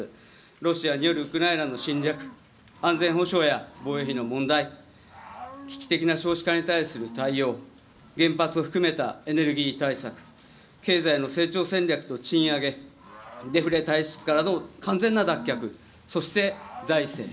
ロシアによるウクライナの侵略、安全保障や防衛費の問題、危機的な少子化に対する対応、原発含めたエネルギー対策、経済の成長戦略と賃上げ、デフレ体質からの完全な脱却、そして、財政。